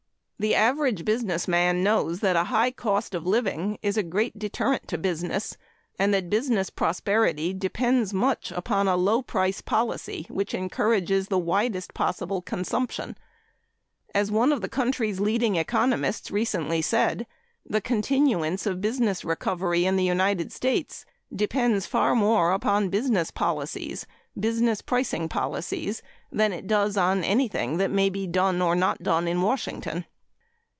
The average businessman knows that a high cost of living is a great deterrent to business and that business prosperity depends much upon a low price policy which encourages the widest possible consumption. As one of the country's leading economists recently said, "The continuance of business recovery in the United States depends far more upon business policies, business pricing policies, than it does on anything that may be done, or not done, in Washington."